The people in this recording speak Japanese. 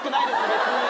別に。